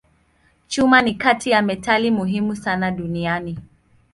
Chuma ni kati ya metali muhimu sana duniani.